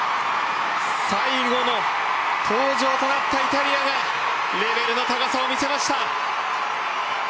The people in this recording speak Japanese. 最後の登場となったイタリアがレベルの高さを見せました！